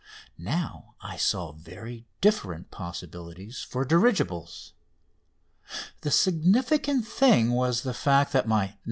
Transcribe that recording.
Now I saw very different possibilities for dirigibles. The significant thing was the fact that my "No.